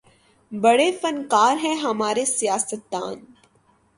بڑے فنکار ہیں ہمارے سیاستدان